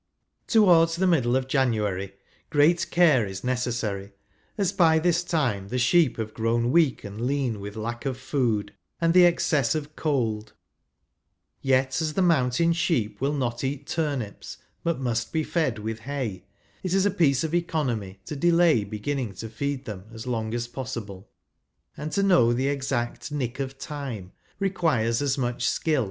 Towards the middle of Januaiy, great care is necessary, as by this time the sheep have grown weak and lean with lack of food, and the excess of cold. Yet as the mountain sheep will not eat turnips, but must be fed with hay, it is a piece of economy to delay beginning to feed them as long as possible ; and to know the exact nick of time, requires as much skill